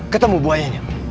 ketemu buaian yang